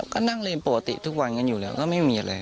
ก็นั่งเรียนปกติทุกวันกันอยู่แล้วก็ไม่มีอะไร